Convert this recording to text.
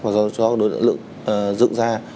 và cho đối tượng dựng ra